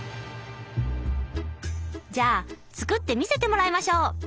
じゃあ作って見せてもらいましょう。